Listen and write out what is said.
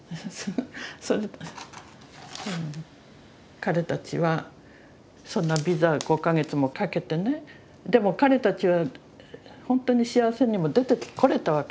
彼たちはそんなビザ５か月もかけてねでも彼たちはほんとに幸せにも出てこれたわけですよ。